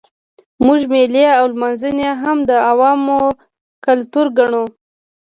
موږ مېلې او لمانځنې هم د عوامو کلتور ګڼو.